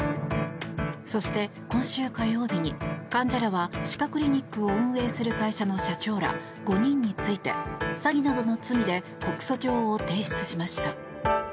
そして今週火曜日に、患者らは歯科クリニックを運営する会社の社長ら５人について詐欺などの罪で告訴状を提出しました。